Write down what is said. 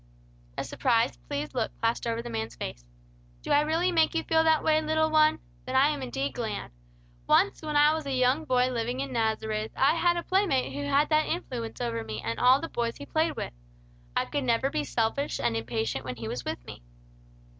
A surprised, pleased look passed over the man's face. "Do I really make you feel that way, little one? Then I am indeed glad. Once when I was a young boy living in Nazareth, I had a playmate who had that influence over me and all the boys he played with. I never could be selfish and impatient when he was with me.